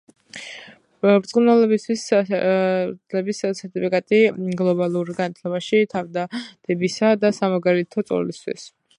ბრწყინვალების სერთიფიკატი გლობალურ განათლებაში თავდადებისა და სამაგალითო წვლილისთვის.